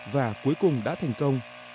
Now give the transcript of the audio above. và cuối cùng đã thành công